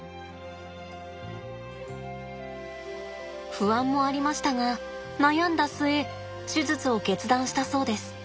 不安もありましたが悩んだ末手術を決断したそうです。